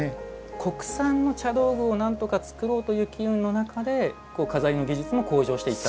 国産の茶道具をなんとか作ろうという機運の中で錺の技術も向上していったっていうことなんですか。